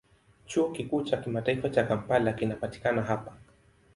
Chuo Kikuu cha Kimataifa cha Kampala kinapatikana hapa.